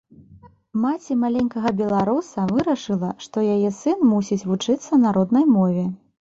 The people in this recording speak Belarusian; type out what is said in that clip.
Маці маленькага беларуса вырашыла, што яе сын мусіць вучыцца на роднай мове.